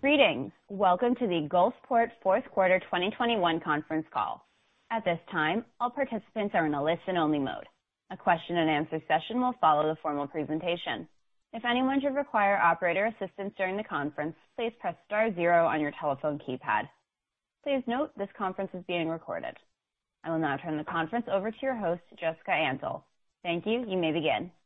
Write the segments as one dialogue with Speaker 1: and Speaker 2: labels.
Speaker 1: Greetings. Welcome to the Gulfport Fourth Quarter 2021 Conference Call. At this time, all participants are in a listen-only mode. A question-and-answer session will follow the formal presentation. If anyone should require operator assistance during the conference, please press star zero on your telephone keypad. Please note this conference is being recorded. I will now turn the conference over to your host, Jessica Antle. Thank you. You may begin.
Speaker 2: Thank you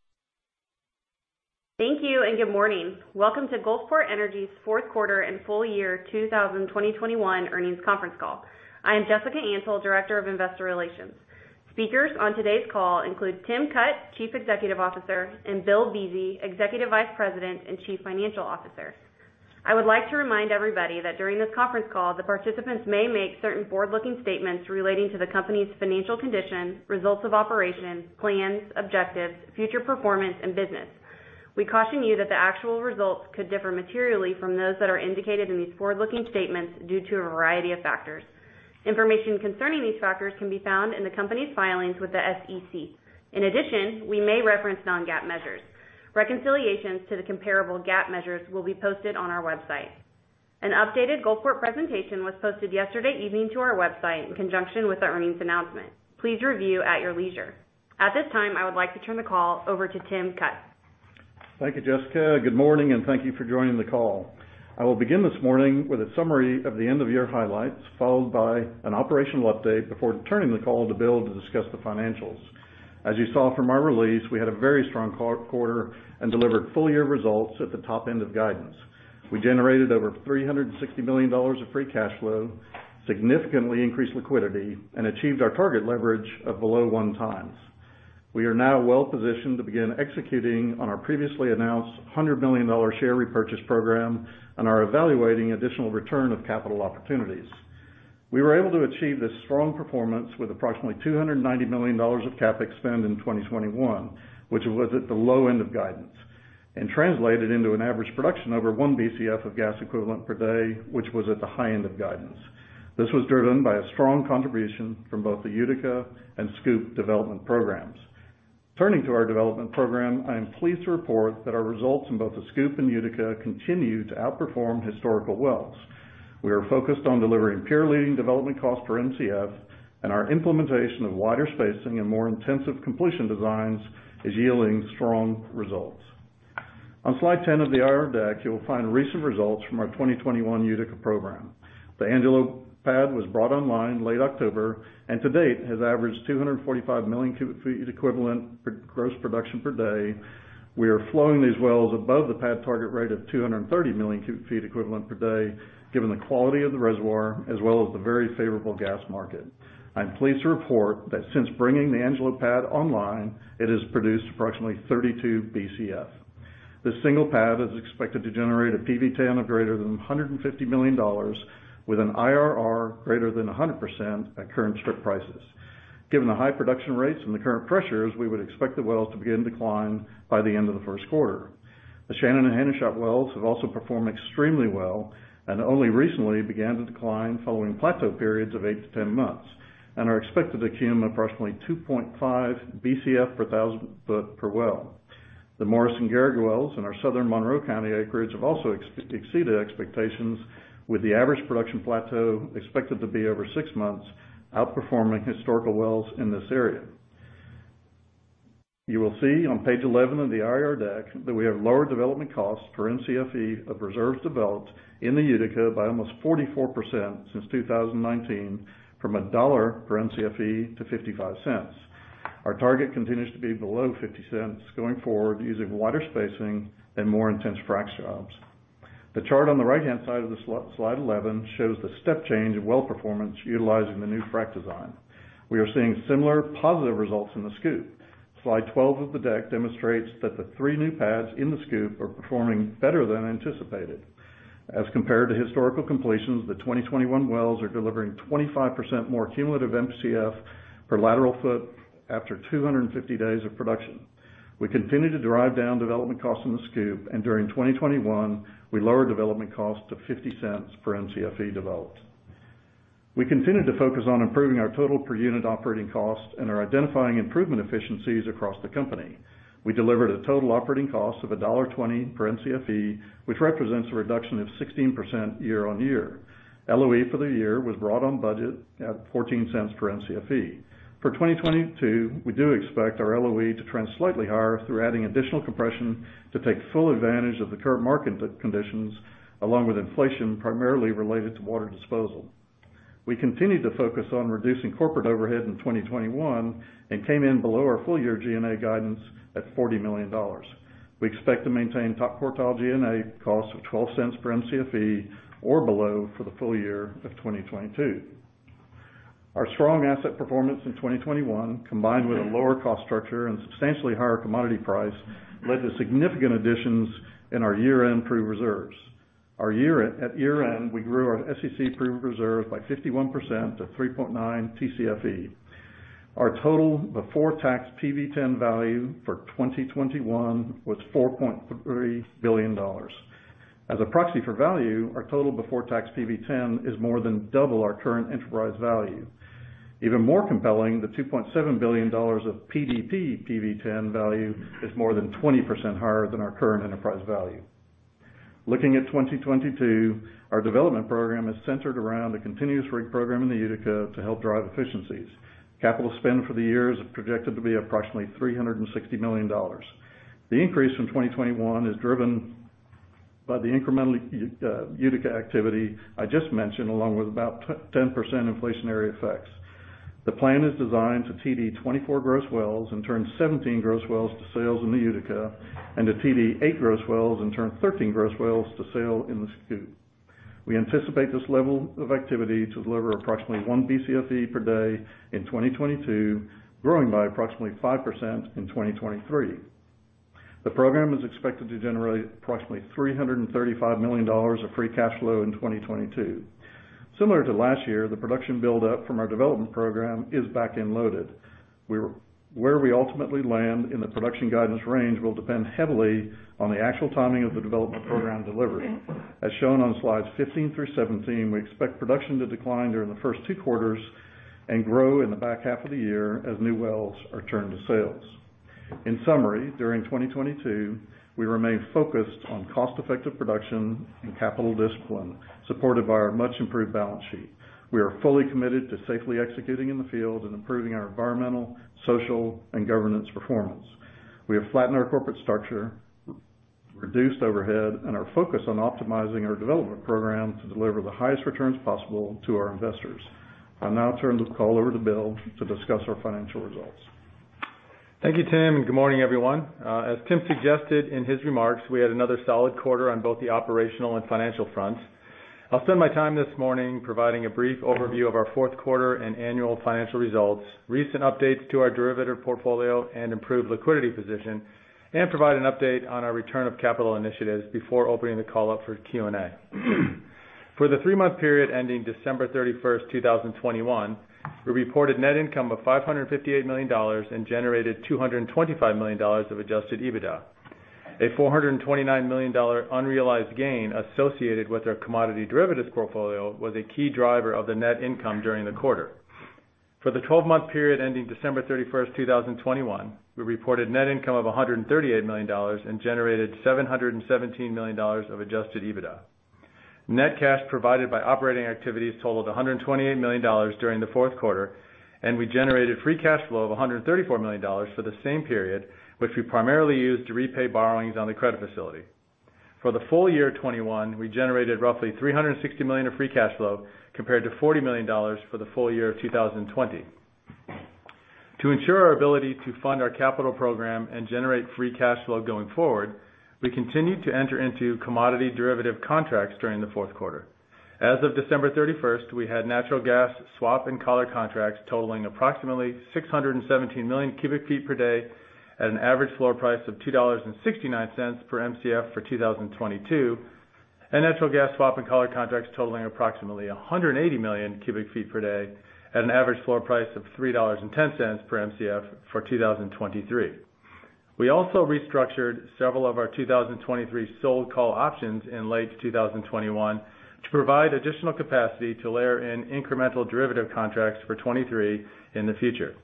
Speaker 2: and good morning. Welcome to Gulfport Energy's fourth quarter and full year 2021 earnings conference call. I am Jessica Antle, Director of Investor Relations. Speakers on today's call include Tim Cutt, Chief Executive Officer, and Bill Buese, Executive Vice President and Chief Financial Officer. I would like to remind everybody that during this conference call, the participants may make certain forward-looking statements relating to the company's financial condition, results of operations, plans, objectives, future performance and business. We caution you that the actual results could differ materially from those that are indicated in these forward-looking statements due to a variety of factors. Information concerning these factors can be found in the company's filings with the SEC. In addition, we may reference non-GAAP measures. Reconciliations to the comparable GAAP measures will be posted on our website. An updated Gulfport presentation was posted yesterday evening to our website in conjunction with our earnings announcement. Please review at your leisure. At this time, I would like to turn the call over to Tim Cutt.
Speaker 3: Thank you, Jessica. Good morning, and thank you for joining the call. I will begin this morning with a summary of the end of year highlights, followed by an operational update before turning the call to Bill to discuss the financials. As you saw from our release, we had a very strong quarter and delivered full year results at the top end of guidance. We generated over $360 million of free cash flow, significantly increased liquidity, and achieved our target leverage of below 1x. We are now well-positioned to begin executing on our previously announced $100 million share repurchase program and are evaluating additional return of capital opportunities. We were able to achieve this strong performance with approximately $290 million of CapEx spend in 2021, which was at the low end of guidance, and translated into an average production over 1 Bcf of gas equivalent per day, which was at the high end of guidance. This was driven by a strong contribution from both the Utica and Scoop development programs. Turning to our development program, I am pleased to report that our results in both the Scoop and Utica continue to outperform historical wells. We are focused on delivering peer leading development cost per Mcf, and our implementation of wider spacing and more intensive completion designs is yielding strong results. On slide 10 of the IR deck, you will find recent results from our 2021 Utica program. The Angelo pad was brought online late October and to date has averaged 245 million cubic feet equivalent gross production per day. We are flowing these wells above the pad target rate of 230 million cubic feet equivalent per day, given the quality of the reservoir as well as the very favorable gas market. I'm pleased to report that since bringing the Angelo pad online, it has produced approximately 32 Bcf. This single pad is expected to generate a PV-10 of greater than $150 million, with an IRR greater than 100% at current strip prices. Given the high production rates and the current pressures, we would expect the wells to begin decline by the end of the first quarter. The Shannon and Hanna Shop wells have also performed extremely well and only recently began to decline following plateau periods of 8-10 months and are expected to cum approximately 2.5 Bcf per 1,000-foot per well. The Morris and Garrick wells in our southern Monroe County acreage have also exceeded expectations, with the average production plateau expected to be over six months, outperforming historical wells in this area. You will see on page 11 of the IR deck that we have lower development costs per Mcfe of reserves developed in the Utica by almost 44% since 2019 from $1 per Mcfe to $0.55. Our target continues to be below $0.50 going forward using wider spacing and more intense frac jobs. The chart on the right-hand side of the slide 11 shows the step change in well performance utilizing the new frac design. We are seeing similar positive results in the Scoop. Slide 12 of the deck demonstrates that the three new pads in the Scoop are performing better than anticipated. As compared to historical completions, the 2021 wells are delivering 25% more cumulative Mcf per lateral foot after 250 days of production. We continue to drive down development costs in the Scoop, and during 2021 we lowered development costs to $0.50 per Mcfe developed. We continue to focus on improving our total per unit operating cost and are identifying improvement efficiencies across the company. We delivered a total operating cost of $1.20 per Mcfe, which represents a reduction of 16% year-on-year. LOE for the year was brought on budget at $0.14 per Mcfe. For 2022, we do expect our LOE to trend slightly higher through adding additional compression to take full advantage of the current market conditions, along with inflation primarily related to water disposal. We continued to focus on reducing corporate overhead in 2021 and came in below our full year G&A guidance at $40 million. We expect to maintain top quartile G&A cost of $0.12 per Mcfe or below for the full year of 2022. Our strong asset performance in 2021, combined with a lower cost structure and substantially higher commodity price, led to significant additions in our year-end proved reserves. At year-end, we grew our SEC proved reserves by 51% to 3.9 TCFE. Our total before tax PV-10 value for 2021 was $4.3 billion. As a proxy for value, our total before tax PV-10 is more than double our current enterprise value. Even more compelling, the $2.7 billion of PDP PV-10 value is more than 20% higher than our current enterprise value. Looking at 2022, our development program is centered around a continuous rig program in the Utica to help drive efficiencies. Capital spend for the year is projected to be approximately $360 million. The increase from 2021 is driven by the incremental Utica activity I just mentioned, along with about 10% inflationary effects. The plan is designed to TD 24 gross wells and turn 17 gross wells to sales in the Utica, and to TD 8 gross wells and turn 13 gross wells to sale in the SCOOP. We anticipate this level of activity to deliver approximately 1 Bcfe per day in 2022, growing by approximately 5% in 2023. The program is expected to generate approximately $335 million of free cash flow in 2022. Similar to last year, the production buildup from our development program is back-end loaded. Where we ultimately land in the production guidance range will depend heavily on the actual timing of the development program delivery. As shown on slides 15 through 17, we expect production to decline during the first two quarters and grow in the back half of the year as new wells are turned to sales. In summary, during 2022, we remain focused on cost-effective production and capital discipline, supported by our much-improved balance sheet. We are fully committed to safely executing in the field and improving our environmental, social, and governance performance. We have flattened our corporate structure, reduced overhead, and are focused on optimizing our development program to deliver the highest returns possible to our investors. I'll now turn this call over to Bill to discuss our financial results.
Speaker 4: Thank you, Tim, and good morning, everyone. As Tim suggested in his remarks, we had another solid quarter on both the operational and financial fronts. I'll spend my time this morning providing a brief overview of our fourth quarter and annual financial results, recent updates to our derivative portfolio and improved liquidity position, and provide an update on our return of capital initiatives before opening the call up for Q&A. For the three-month period ending December 31, 2021, we reported net income of $558 million and generated $225 million of adjusted EBITDA. A $429 million unrealized gain associated with our commodity derivatives portfolio was a key driver of the net income during the quarter. For the twelve-month period ending December 31, 2021, we reported net income of $138 million and generated $717 million of adjusted EBITDA. Net cash provided by operating activities totaled $128 million during the fourth quarter, and we generated free cash flow of $134 million for the same period, which we primarily used to repay borrowings on the credit facility. For the full year 2021, we generated roughly $360 million of free cash flow compared to $40 million for the full year of 2020. To ensure our ability to fund our capital program and generate free cash flow going forward, we continued to enter into commodity derivative contracts during the fourth quarter. As of December 31, we had natural gas swap and collar contracts totaling approximately 617 million cubic feet per day at an average floor price of $2.69 per Mcf for 2022, and natural gas swap and collar contracts totaling approximately 180 million cubic feet per day at an average floor price of $3.10 per Mcf for 2023. We also restructured several of our 2023 sold call options in late 2021 to provide additional capacity to layer in incremental derivative contracts for 2023 in the future.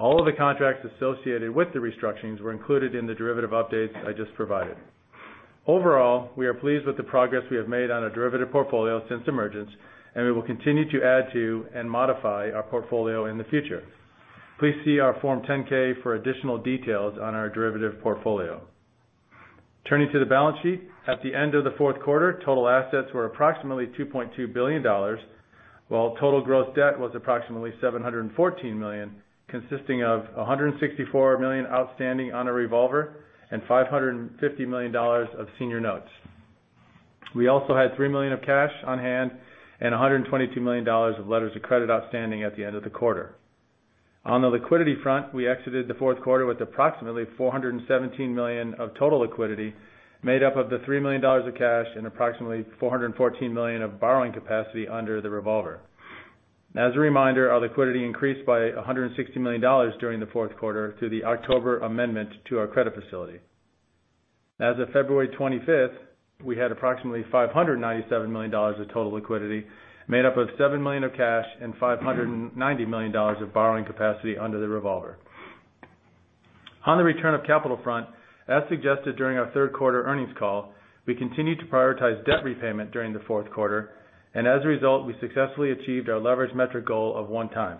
Speaker 4: All of the contracts associated with the restructurings were included in the derivative updates I just provided. Overall, we are pleased with the progress we have made on our derivative portfolio since emergence, and we will continue to add to and modify our portfolio in the future. Please see our Form 10-K for additional details on our derivative portfolio. Turning to the balance sheet. At the end of the fourth quarter, total assets were approximately $2.2 billion, while total gross debt was approximately $714 million, consisting of $164 million outstanding on a revolver and $550 million of senior notes. We also had $3 million of cash on hand and $122 million of letters of credit outstanding at the end of the quarter. On the liquidity front, we exited the fourth quarter with approximately $417 million of total liquidity, made up of $3 million of cash and approximately $414 million of borrowing capacity under the revolver. As a reminder, our liquidity increased by $160 million during the fourth quarter through the October amendment to our credit facility. As of February 25th, we had approximately $597 million of total liquidity, made up of $7 million of cash and $590 million of borrowing capacity under the revolver. On the return of capital front, as suggested during our third quarter earnings call, we continued to prioritize debt repayment during the fourth quarter, and as a result, we successfully achieved our leverage metric goal of 1x.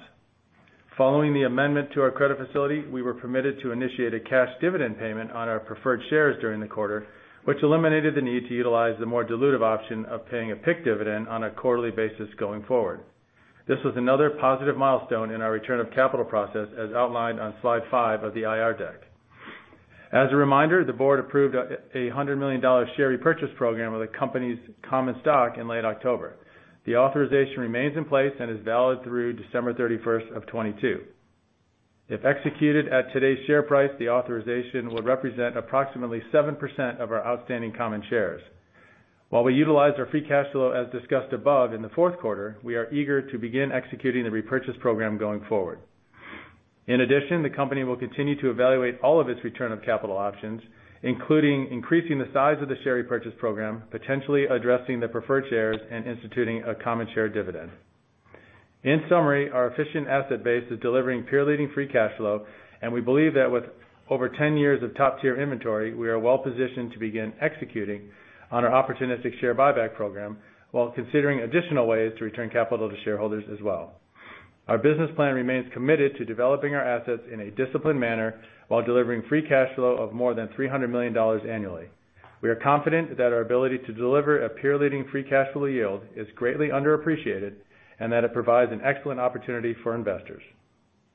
Speaker 4: Following the amendment to our credit facility, we were permitted to initiate a cash dividend payment on our preferred shares during the quarter, which eliminated the need to utilize the more dilutive option of paying a PIK dividend on a quarterly basis going forward. This was another positive milestone in our return of capital process, as outlined on slide five of the IR deck. As a reminder, the board approved a $100 million share repurchase program of the company's common stock in late October. The authorization remains in place and is valid through December 31, 2022. If executed at today's share price, the authorization will represent approximately 7% of our outstanding common shares. While we utilized our free cash flow as discussed above in the fourth quarter, we are eager to begin executing the repurchase program going forward.
Speaker 3: In addition, the company will continue to evaluate all of its return of capital options, including increasing the size of the share repurchase program, potentially addressing the preferred shares, and instituting a common share dividend. In summary, our efficient asset base is delivering peer-leading free cash flow, and we believe that with over 10 years of top-tier inventory, we are well positioned to begin executing on our opportunistic share buyback program while considering additional ways to return capital to shareholders as well. Our business plan remains committed to developing our assets in a disciplined manner while delivering free cash flow of more than $300 million annually. We are confident that our ability to deliver a peer-leading free cash flow yield is greatly underappreciated and that it provides an excellent opportunity for investors.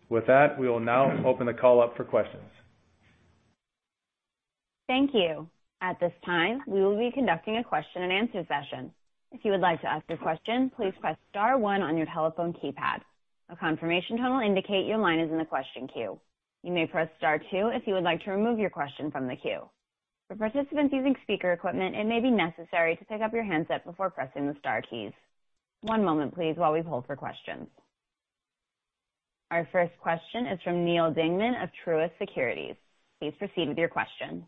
Speaker 3: With that, we will now open the call up for questions.
Speaker 1: Thank you. At this time, we will be conducting a question-and-answer session. If you would like to ask a question, please press star one on your telephone keypad. A confirmation tone will indicate your line is in the question queue. You may press star two if you would like to remove your question from the queue. For participants using speaker equipment, it may be necessary to pick up your handset before pressing the star keys. One moment please while we hold for questions. Our first question is from Neal Dingmann of Truist Securities. Please proceed with your question.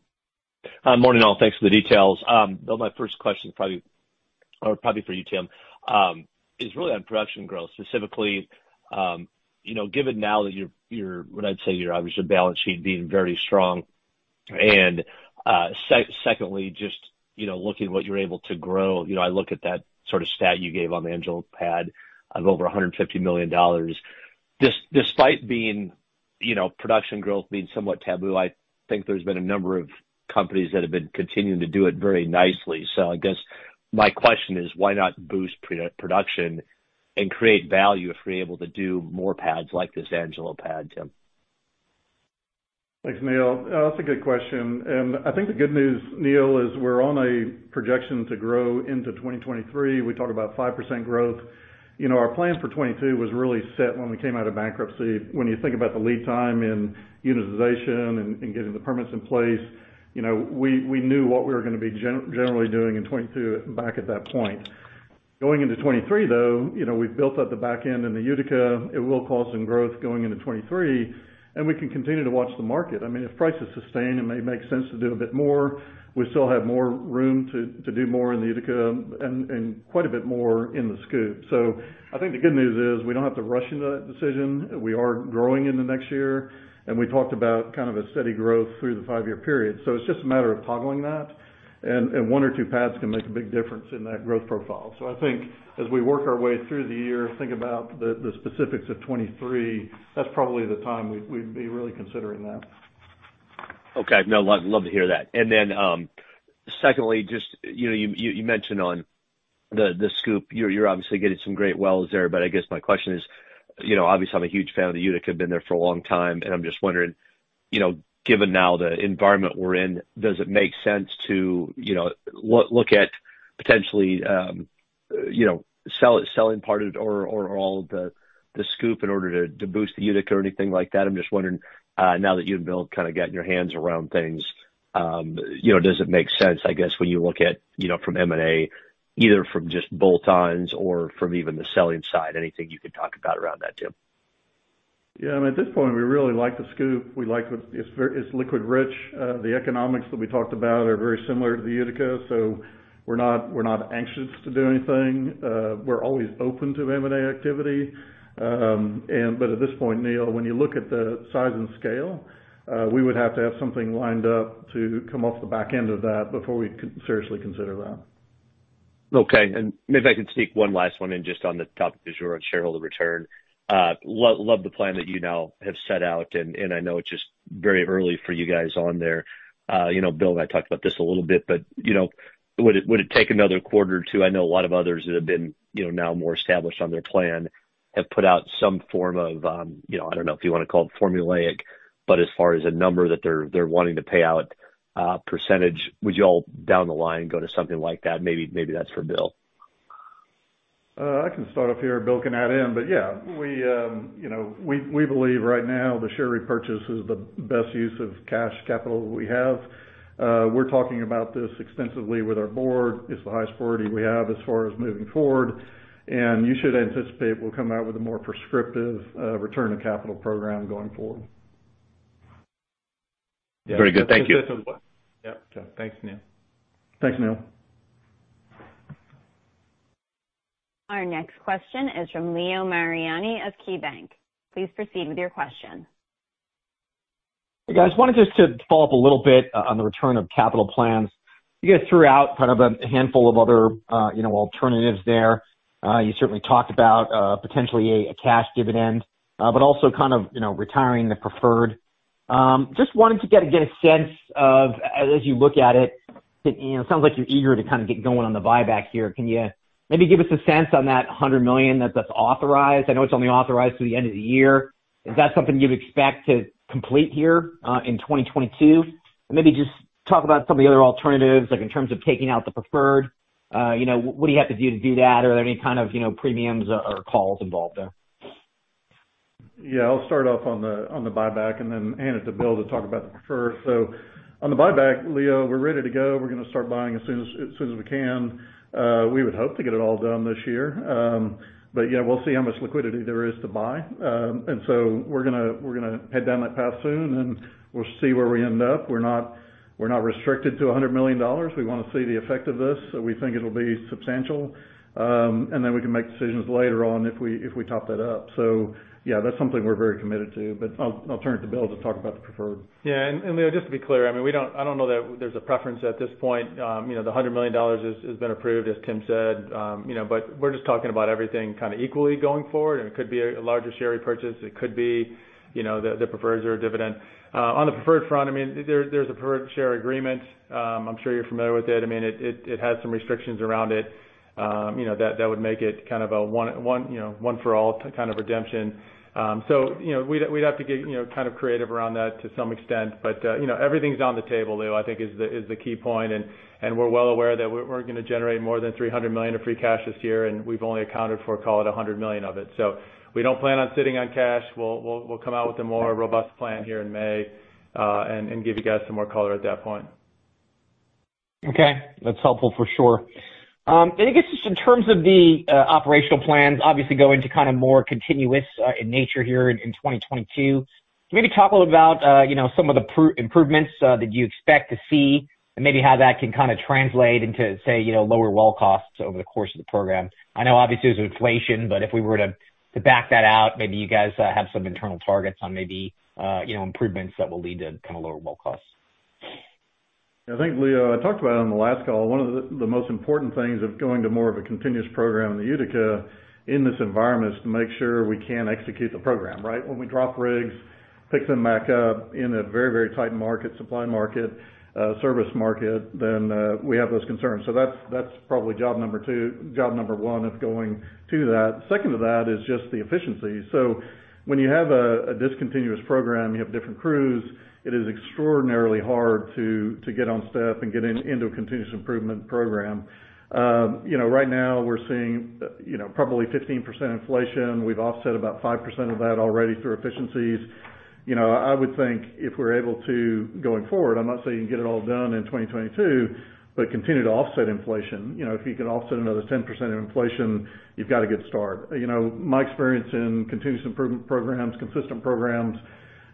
Speaker 5: Hi, morning, all. Thanks for the details. My first question is probably for you, Tim, is really on production growth, specifically, you know, given now that what I'd say your balance sheet being very strong. Second, just, you know, looking at what you're able to grow, you know, I look at that sort of stat you gave on the Angelo pad of over $150 million. Despite being, you know, production growth being somewhat taboo, I think there's been a number of companies that have been continuing to do it very nicely. I guess my question is why not boost production and create value if you're able to do more pads like this Angelo pad, Tim?
Speaker 3: Thanks, Neal. That's a good question. I think the good news, Neal, is we're on a projection to grow into 2023. We talked about 5% growth. You know, our plan for 2022 was really set when we came out of bankruptcy. When you think about the lead time in unitization and getting the permits in place, you know, we knew what we were gonna be generally doing in 2022 back at that point. Going into 2023, though, you know, we've built up the back end in the Utica. It will cause some growth going into 2023, and we can continue to watch the market. I mean, if prices sustain, it may make sense to do a bit more. We still have more room to do more in the Utica and quite a bit more in the Scoop. I think the good news is we don't have to rush into that decision. We are growing in the next year, and we talked about kind of a steady growth through the five-year period. It's just a matter of toggling that, and one or two pads can make a big difference in that growth profile. I think as we work our way through the year, think about the specifics of 2023, that's probably the time we'd be really considering that.
Speaker 5: Okay. No, love to hear that. Then, secondly, just, you know, you mentioned on the Scoop, you're obviously getting some great wells there. But I guess my question is, you know, obviously, I'm a huge fan of the Utica, been there for a long time. I'm just wondering, you know, given now the environment we're in, does it make sense to, you know, look at potentially, you know, selling part of or all of the Scoop in order to boost the Utica or anything like that? I'm just wondering, now that you and Bill kind of gotten your hands around things, you know, does it make sense, I guess, when you look at, you know, from M&A, either from just bolt-ons or from even the selling side, anything you could talk about around that, Tim?
Speaker 3: Yeah, I mean, at this point, we really like the Scoop. It's liquid rich. The economics that we talked about are very similar to the Utica, so we're not anxious to do anything. We're always open to M&A activity. But at this point, Neal, when you look at the size and scale, we would have to have something lined up to come off the back end of that before we seriously consider that.
Speaker 5: Okay. Maybe I can sneak one last one in just on the topic as you're on shareholder return. Love the plan that you now have set out, and I know it's just very early for you guys on there. You know, Bill and I talked about this a little bit, but you know, would it take another quarter or two? I know a lot of others that have been you know, now more established on their plan have put out some form of you know, I don't know if you wanna call it formulaic, but as far as a number that they're wanting to pay out percentage. Would you all down the line go to something like that? Maybe that's for Bill.
Speaker 3: I can start off here. Bill can add in. Yeah, we, you know, we believe right now the share repurchase is the best use of cash capital that we have. We're talking about this extensively with our board. It's the highest priority we have as far as moving forward, and you should anticipate we'll come out with a more prescriptive return on capital program going forward.
Speaker 5: Very good. Thank you.
Speaker 3: Yeah. Thanks, Neal.
Speaker 4: Thanks, Neal.
Speaker 1: Our next question is from Leo Mariani of KeyBanc. Please proceed with your question.
Speaker 6: Hey, guys. I wanted just to follow up a little bit on the return of capital plans. You guys threw out kind of a handful of other, you know, alternatives there. You certainly talked about potentially a cash dividend, but also kind of, you know, retiring the preferred. Just wanted to get a sense of as you look at it, you know, it sounds like you're eager to kind of get going on the buyback here. Can you maybe give us a sense on that $100 million that's authorized? I know it's only authorized through the end of the year. Is that something you'd expect to complete here in 2022? And maybe just talk about some of the other alternatives, like in terms of taking out the preferred. You know, what do you have to do to do that? Are there any kind of, you know, premiums or calls involved there?
Speaker 3: Yeah, I'll start off on the buyback and then hand it to Bill to talk about the preferred. On the buyback, Leo, we're ready to go. We're gonna start buying as soon as we can. We would hope to get it all done this year. But yeah, we'll see how much liquidity there is to buy. We're gonna head down that path soon, and we'll see where we end up. We're not restricted to $100 million. We wanna see the effect of this, so we think it'll be substantial. We can make decisions later on if we top that up. Yeah, that's something we're very committed to, but I'll turn it to Bill to talk about the preferred.
Speaker 4: Yeah. Leo, just to be clear, I mean, I don't know that there's a preference at this point. $100 million has been approved, as Tim said. We're just talking about everything kinda equally going forward, and it could be a larger share repurchase. It could be the preferreds or a dividend. On the preferred front, there's a preferred share agreement. I'm sure you're familiar with it. It has some restrictions around it, that would make it kind of a one for all kind of redemption. We'd have to get kind of creative around that to some extent. You know, everything's on the table, Leo. I think is the key point. We're well aware that we're gonna generate more than $300 million of free cash this year, and we've only accounted for, call it $100 million of it. We don't plan on sitting on cash. We'll come out with a more robust plan here in May, and give you guys some more color at that point.
Speaker 6: Okay. That's helpful for sure. I guess just in terms of the operational plans obviously going to kind of more continuous in nature here in 2022, can you maybe talk a little about you know some of the process improvements that you expect to see and maybe how that can kinda translate into say you know lower well costs over the course of the program? I know obviously there's inflation, but if we were to back that out, maybe you guys have some internal targets on maybe you know improvements that will lead to kinda lower well costs.
Speaker 3: I think, Leo, I talked about it on the last call. One of the most important things of going to more of a continuous program in the Utica in this environment is to make sure we can execute the program, right? When we drop rigs, pick them back up in a very, very tight market, supply market, service market, then we have those concerns. That's probably job number two. Job number one is going to that. Second to that is just the efficiency. When you have a discontinuous program, you have different crews, it is extraordinarily hard to get on staff and get into a continuous improvement program. You know, right now we're seeing, you know, probably 15% inflation. We've offset about 5% of that already through efficiencies. You know, I would think if we're able to, going forward, I'm not saying get it all done in 2022, but continue to offset inflation. You know, if you could offset another 10% of inflation, you've got a good start. You know, my experience in continuous improvement programs, consistent programs, you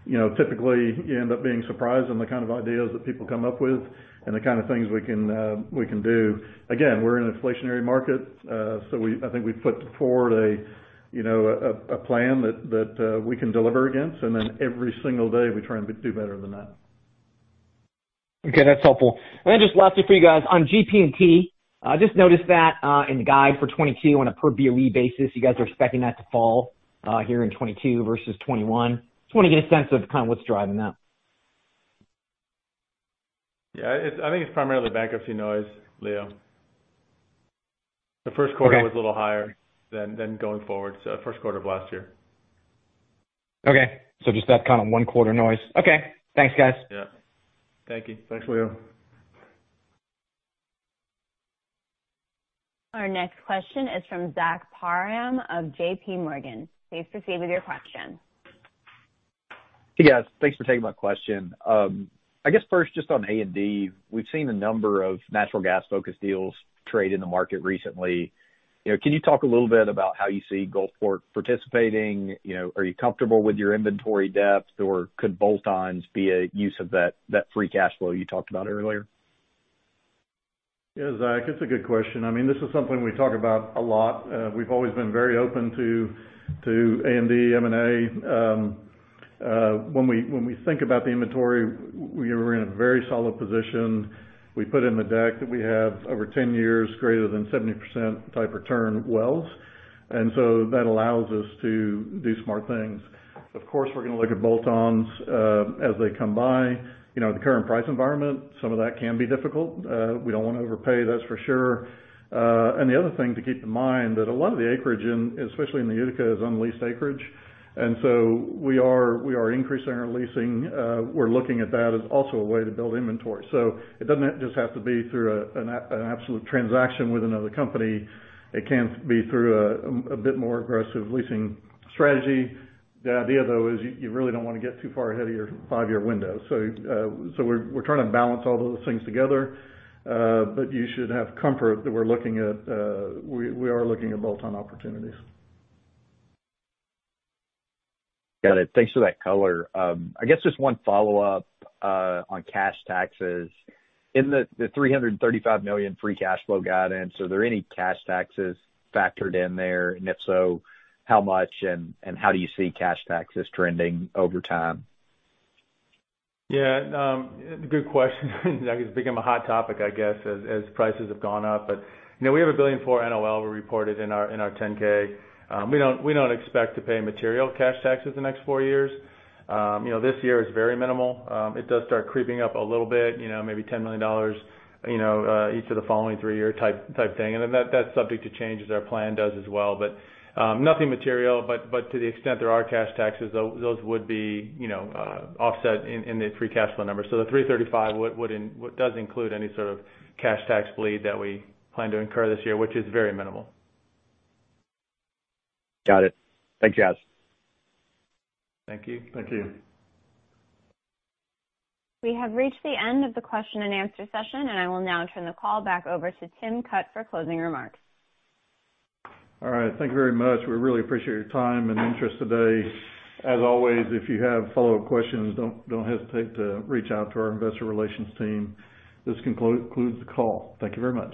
Speaker 3: know, typically you end up being surprised on the kind of ideas that people come up with and the kind of things we can do. Again, we're in an inflationary market. I think we've put forward a plan that we can deliver against, and then every single day we try and do better than that.
Speaker 6: Okay, that's helpful. Just lastly for you guys on GP&T, just noticed that in the guide for 2022 on a per BOE basis, you guys are expecting that to fall here in 2022 versus 2021. Just wanna get a sense of kind of what's driving that.
Speaker 4: Yeah, I think it's primarily the bankruptcy noise, Leo.
Speaker 6: Okay.
Speaker 4: The first quarter was a little higher than going forward, so first quarter of last year.
Speaker 6: Okay. Just that kind of one quarter noise. Okay, thanks, guys.
Speaker 4: Yeah. Thank you.
Speaker 3: Thanks, Leo.
Speaker 1: Our next question is from Zach Parham of JPMorgan. Please proceed with your question.
Speaker 7: Hey, guys. Thanks for taking my question. I guess first, just on A&D, we've seen a number of natural gas-focused deals trade in the market recently. You know, can you talk a little bit about how you see Gulfport participating? You know, are you comfortable with your inventory depth, or could bolt-ons be a use of that free cash flow you talked about earlier?
Speaker 3: Yeah, Zach, it's a good question. I mean, this is something we talk about a lot. We've always been very open to A&D M&A. When we think about the inventory, we are in a very solid position. We put in the deck that we have over 10 years greater than 70% type return wells. That allows us to do smart things. Of course, we're gonna look at bolt-ons as they come by. You know, the current price environment, some of that can be difficult. We don't wanna overpay, that's for sure. The other thing to keep in mind is that a lot of the acreage, especially in the Utica, is unleased acreage. We are increasing our leasing. We're looking at that as also a way to build inventory. It doesn't just have to be through an absolute transaction with another company. It can be through a bit more aggressive leasing strategy. The idea, though, is you really don't wanna get too far ahead of your five-year window. We're trying to balance all those things together. You should have comfort that we are looking at bolt-on opportunities.
Speaker 7: Got it. Thanks for that color. I guess just one follow-up on cash taxes. In the $335 million free cash flow guidance, are there any cash taxes factored in there? If so, how much, and how do you see cash taxes trending over time?
Speaker 4: Yeah, good question. That has become a hot topic, I guess, as prices have gone up. You know, we have $1 billion for NOL we reported in our 10-K. We don't expect to pay material cash taxes the next four years. You know, this year is very minimal. It does start creeping up a little bit, you know, maybe $10 million, you know, each of the following three year type thing. Then that's subject to change as our plan does as well. Nothing material, but to the extent there are cash taxes, those would be, you know, offset in the free cash flow numbers. The $335 does include any sort of cash tax bleed that we plan to incur this year, which is very minimal.
Speaker 7: Got it. Thanks, guys.
Speaker 4: Thank you.
Speaker 3: Thank you.
Speaker 1: We have reached the end of the question and answer session, and I will now turn the call back over to Timothy Cutt for closing remarks.
Speaker 3: All right. Thank you very much. We really appreciate your time and interest today. As always, if you have follow-up questions, don't hesitate to reach out to our investor relations team. This concludes the call. Thank you very much.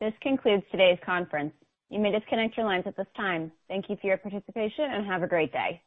Speaker 3: Bye.
Speaker 1: This concludes today's conference. You may disconnect your lines at this time. Thank you for your participation, and have a great day.